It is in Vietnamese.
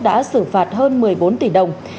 đã xử phạt hơn một mươi bốn tỷ đồng